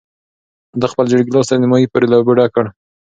ده خپل زېړ ګیلاس تر نیمايي پورې له اوبو ډک کړ.